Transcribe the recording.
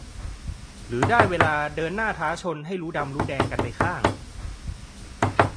หรือได้เวลาเดินหน้าท้าชนให้รู้ดำรู้แดงกันไปข้าง